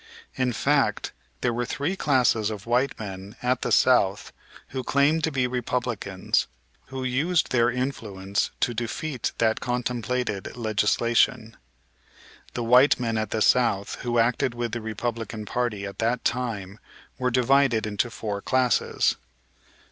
In fact there were three classes of white men at the South who claimed to be Republicans who used their influence to defeat that contemplated legislation. The white men at the South who acted with the Republican party at that time were divided into four classes.